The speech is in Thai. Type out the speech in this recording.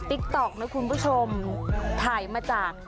ใช่ค่ะคนขับมอเตอร์ไซค์หรือบิเครอ์เป็นผู้หญิงนะคุณผู้ชม